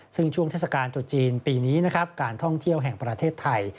ซึ่งช่วงเทศกาลตรุษจีนปีนี้นะครับการท่องเที่ยวแห่งประเทศไทย